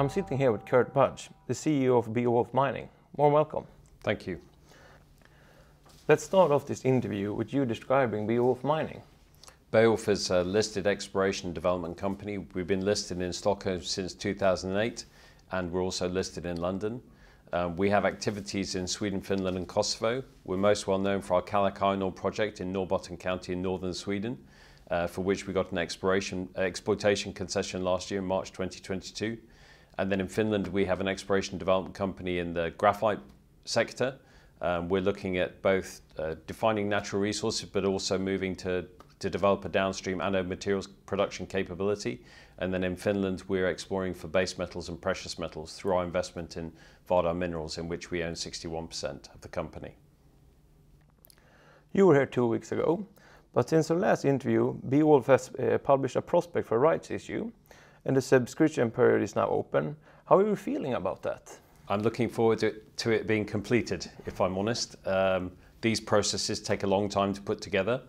I'm sitting here with Kurt Budge, the CEO of Beowulf Mining. Warm welcome. Thank you. Let's start off this interview with you describing Beowulf Mining. Beowulf is a listed exploration development company. We've been listed in Stockholm since 2008, and we're also listed in London. We have activities in Sweden, Finland, and Kosovo. We're most well-known for our Kallak Iron Ore project in Norrbotten County in northern Sweden, for which we got an exploitation concession last year, March 2022. In Finland, we have an exploration development company in the graphite sector. We're looking at both, defining natural resources, but also moving to develop a downstream anode materials production capability. In Finland, we're exploring for base metals and precious metals through our investment in Vardar Minerals, in which we own 61% of the company. You were here two weeks ago, but since the last interview, Beowulf has published a prospect for rights issue and the subscription period is now open. How are you feeling about that? I'm looking forward to it being completed, if I'm honest. These processes take a long time to put together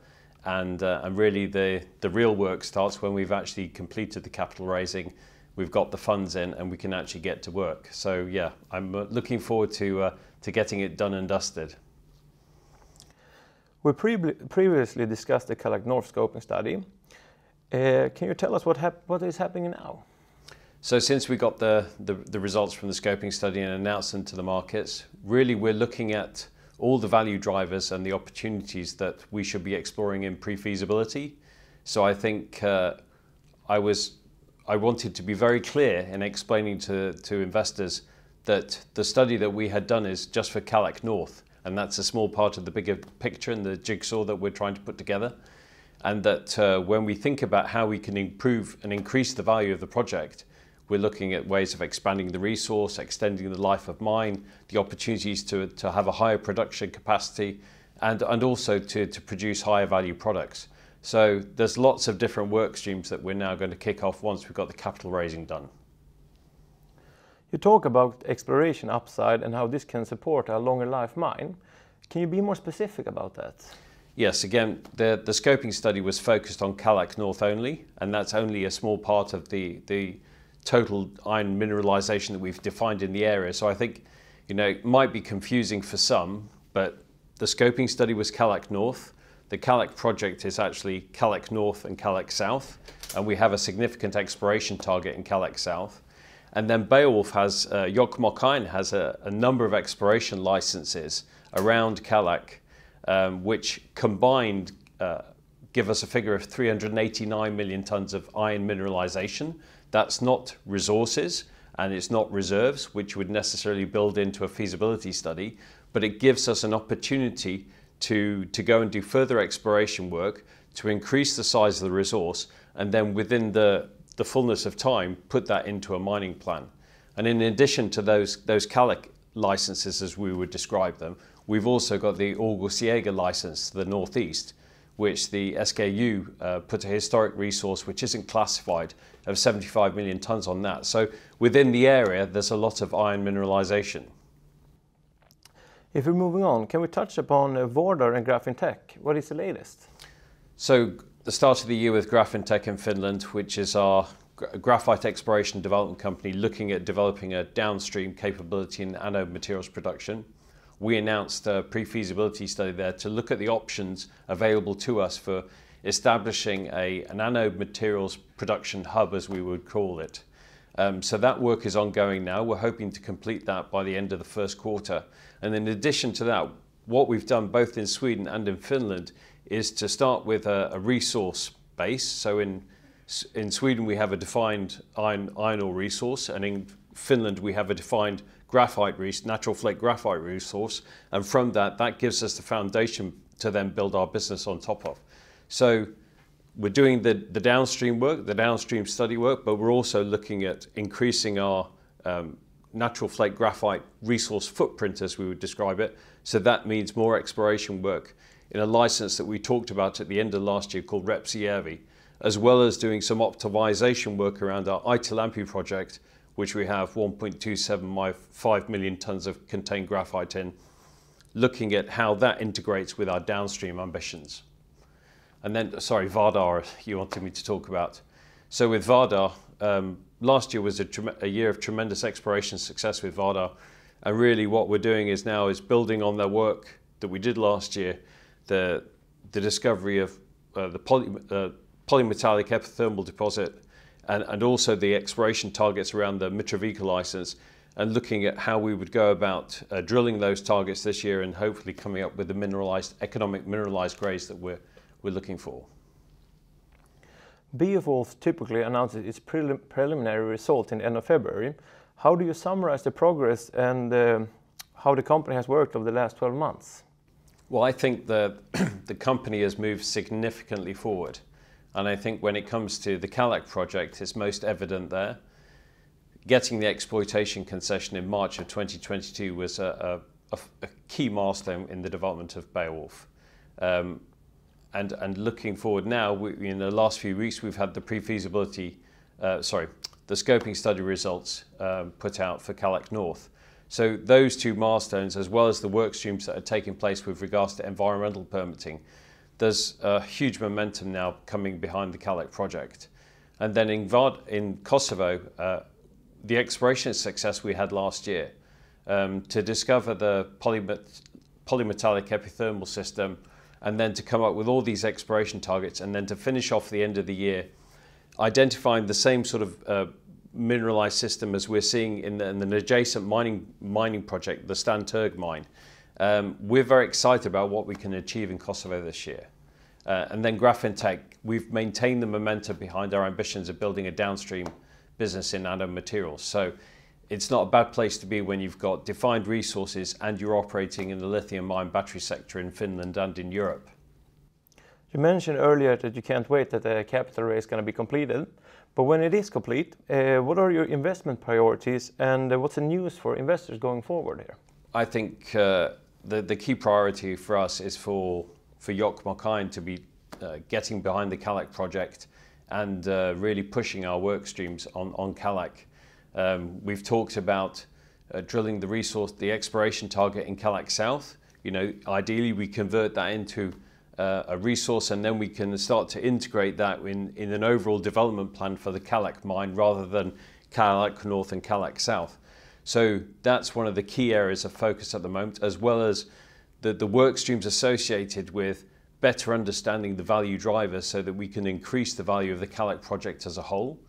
and really the real work starts when we've actually completed the capital raising, we've got the funds in, and we can actually get to work. Yeah, I'm looking forward to getting it done and dusted. We previously discussed the Kallak North scoping study. Can you tell us what is happening now? Since we got the results from the scoping study and announced them to the markets, really we're looking at all the value drivers and the opportunities that we should be exploring in pre-feasibility. I think I wanted to be very clear in explaining to investors that the study that we had done is just for Kallak North, and that's a small part of the bigger picture in the jigsaw that we're trying to put together, and that when we think about how we can improve and increase the value of the project, we're looking at ways of expanding the resource, extending the life of mine, the opportunities to have a higher production capacity, and also to produce higher value products. There's lots of different work streams that we're now gonna kick off once we've got the capital raising done. You talk about exploration upside and how this can support a longer-life mine. Can you be more specific about that? Yes. Again, the scoping study was focused on Kallak North only. That's only a small part of the total iron mineralization that we've defined in the area. I think, you know, it might be confusing for some, but the scoping study was Kallak North. The Kallak project is actually Kallak North and Kallak South. We have a significant exploration target in Kallak South. Beowulf has Jokkmokk Iron has a number of exploration licenses around Kallak, which combined give us a figure of 389 million tons of iron mineralization. That's not resources and it's not reserves, which would necessarily build into a feasibility study. It gives us an opportunity to go and do further exploration work to increase the size of the resource and then within the fullness of time, put that into a mining plan. In addition to those Kallak licenses, as we would describe them, we've also got the Aavasaksa license to the northeast, which the SGU put a historic resource which isn't classified of 75 million tons on that. Within the area, there's a lot of iron mineralization. If we're moving on, can we touch upon Vardar and Grafintec? What is the latest? The start of the year with Grafintec in Finland, which is our graphite exploration development company looking at developing a downstream capability in anode materials production. We announced a pre-feasibility study there to look at the options available to us for establishing an anode materials production hub, as we would call it. That work is ongoing now. We're hoping to complete that by the end of the first quarter. In addition to that, what we've done both in Sweden and in Finland is to start with a resource base. In Sweden, we have a defined iron ore resource, and in Finland, we have a defined natural flake graphite resource. From that gives us the foundation to then build our business on top of. We're doing the downstream work, the downstream study work, but we're also looking at increasing our natural flake graphite resource footprint, as we would describe it. That means more exploration work in a license that we talked about at the end of last year called Räpysjärvi, as well as doing some optimization work around our Aitolampi project, which we have 1.275 million tons of contained graphite in, looking at how that integrates with our downstream ambitions. Sorry, Vardar you wanted me to talk about. With Vardar, last year was a year of tremendous exploration success with Vardar, and really what we're doing is now is building on the work that we did last year, the discovery of, the polymetallic epithermal deposit and also the exploration targets around the Mitrovica license, and looking at how we would go about drilling those targets this year and hopefully coming up with the mineralized, economic mineralized grades that we're looking for. Beowulf typically announces its preliminary result in end of February. How do you summarize the progress and, how the company has worked over the last 12 months? Well, I think the company has moved significantly forward, and I think when it comes to the Kallak project, it's most evident there. Getting the Exploitation Concession in March of 2022 was a key milestone in the development of Beowulf. Looking forward now, we, in the last few weeks we've had the pre-feasibility, sorry, the scoping study results, put out for Kallak North. Those two milestones, as well as the work streams that are taking place with regards to environmental permitting, there's a huge momentum now coming behind the Kallak project. In Kosovo, the exploration success we had last year, to discover the polymetallic epithermal system, and then to come up with all these exploration targets, and then to finish off the end of the year identifying the same sort of mineralized system as we're seeing in the adjacent mining project, the Stan Terg Mine. We're very excited about what we can achieve in Kosovo this year. Grafintec, we've maintained the momentum behind our ambitions of building a downstream business in anode materials. It's not a bad place to be when you've got defined resources and you're operating in the lithium mine battery sector in Finland and in Europe. You mentioned earlier that you can't wait that the capital raise is gonna be completed. When it is complete, what are your investment priorities, and, what's the news for investors going forward here? I think, the key priority for us is for Jokkmokk Iron to be getting behind the Kallak project and really pushing our work streams on Kallak. We've talked about drilling the resource, the exploration target in Kallak South. You know, ideally we convert that into a resource, and then we can start to integrate that in an overall development plan for the Kallak Mine rather than Kallak North and Kallak South. That's one of the key areas of focus at the moment, as well as the work streams associated with better understanding the value drivers so that we can increase the value of the Kallak project as a whole.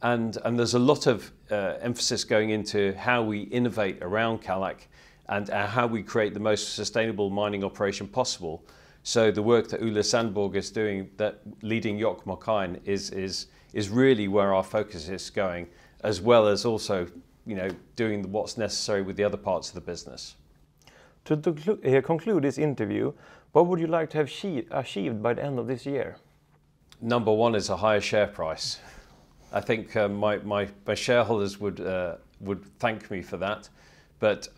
There's a lot of emphasis going into how we innovate around Kallak and how we create the most sustainable mining operation possible. The work that Ulla Sandborgh is doing that leading Jokkmokk Iron is really where our focus is going, as well as also, you know, doing what's necessary with the other parts of the business. To conclude this interview, what would you like to have achieved by the end of this year? Number one is a higher share price. I think, my... the shareholders would thank me for that.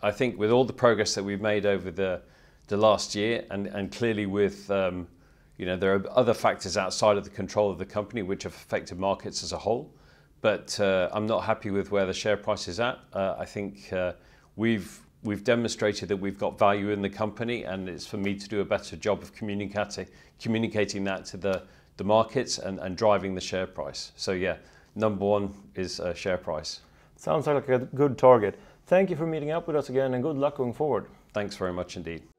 I think with all the progress that we've made over the last year and clearly with, you know, there are other factors outside of the control of the company which have affected markets as a whole. I'm not happy with where the share price is at. I think, we've demonstrated that we've got value in the company, and it's for me to do a better job of communicating that to the markets and driving the share price. Yeah, number one is share price. Sounds like a good target. Thank you for meeting up with us again. Good luck going forward. Thanks very much indeed.